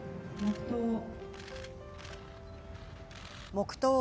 黙とう。